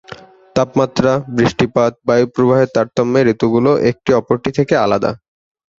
তাপমাত্রা, বৃষ্টিপাত, বায়ুপ্রবাহের তারতম্যে ঋতুগুলো একটি অপরটি থেকে আলাদা।